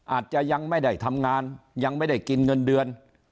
อาจจะยังไม่ได้ทำงานยังไม่ได้กินเงินเดือน